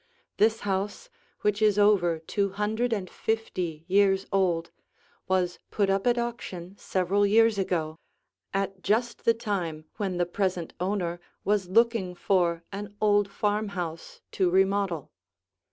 This house, which is over two hundred and fifty years old, was put up at auction several years ago, at just the time when the present owner was looking for an old farmhouse to remodel.